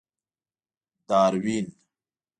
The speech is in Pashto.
داروېن.